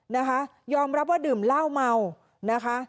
นะคะยอมรับว่าดื่มเหล้าเมานะคะ